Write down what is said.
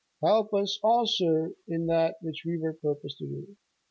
Help us also in that which we here propose to do."